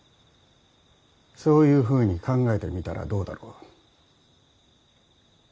そういうふうに考えてみたらどうだろう。